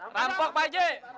rampok pak je